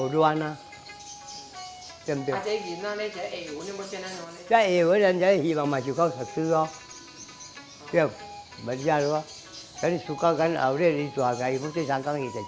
dan menjalani kehidupan